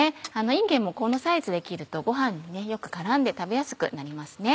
いんげんもこのサイズで切るとご飯によく絡んで食べやすくなりますね。